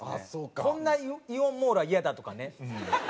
「こんなイオンモールはイヤだ」とかね。